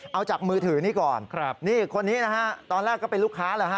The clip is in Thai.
เอาจากมือถือนี้ก่อนครับนี่คนนี้นะฮะตอนแรกก็เป็นลูกค้าแล้วฮ